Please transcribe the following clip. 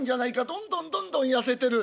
どんどんどんどん痩せてる。